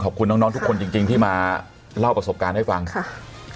ขอบคุณน้องน้องทุกคนจริงจริงที่มาเล่าประสบการณ์ให้ฟังค่ะ